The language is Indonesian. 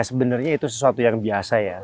sebenarnya itu sesuatu yang biasa ya